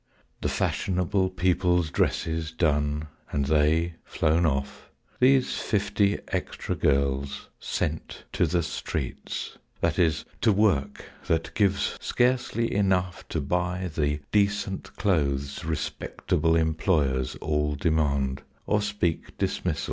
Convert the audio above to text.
The fashionable people's dresses done, And they flown off, these fifty extra girls Sent—to the streets: that is, to work that gives Scarcely enough to buy the decent clothes Respectable employers all demand Or speak dismissal.